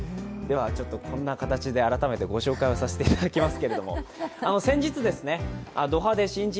こんな形で改めてご紹介させていただきます。